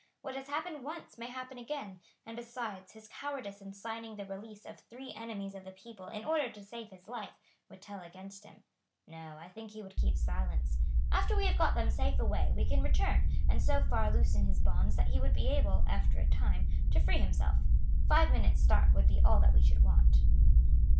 What has happened once may happen again; and besides, his cowardice in signing the release of three enemies of the people in order to save his life would tell against him. No, I think he would keep silence. After we have got them safe away we can return and so far loosen his bonds that he would be able, after a time, to free himself. Five minutes' start would be all that we should want."